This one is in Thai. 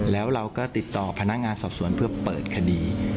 แล้วเราก็ติดต่อพนักงานสอบสวนเพื่อเปิดคดี